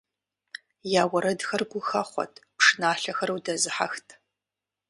Я уэрэдхэр гухэхъуэт, пшыналъэхэр удэзыхьэхт.